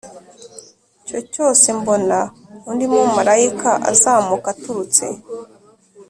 cyo cyose Mbona undi mumarayika azamuka aturutse